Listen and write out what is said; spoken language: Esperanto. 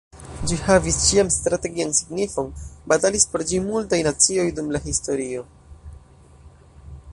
Ĝi havis ĉiam strategian signifon, batalis por ĝi multaj nacioj dum la historio.